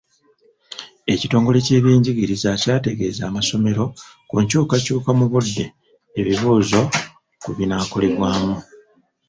Ekitongole ky'ebyenjigiriza kyategeeza amasomero ku nkyukakyuka mu budde ebibuuzo kwe binaakolebwamu.